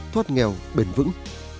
thoát nghèo bền vững